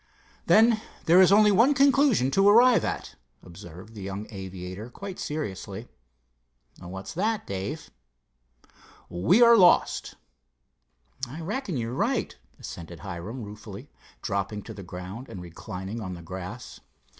"Then there is only one conclusion to arrive at," observed the young aviator quite seriously. "What's that, Dave?" "We are lost." "I reckon you're right," assented Hiram ruefully, dropping to the ground and reclining on the grass.